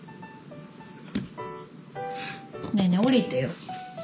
ねえねえ下りてよ。